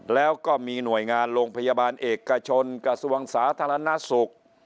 แล้วก็มีหน่วยงานโรงพยาบาลเอกชนกระทรวงสาธารณสุข